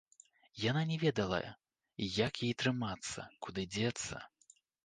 Яна не ведала, як ёй трымацца, куды дзецца.